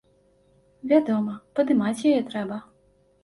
Вядома, падымаць яе трэба.